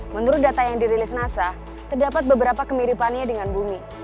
menurut data yang dirilis nasa terdapat beberapa kemiripannya dengan bumi